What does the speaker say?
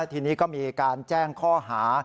ทีนี้ก็มีการแจ้งข้อหา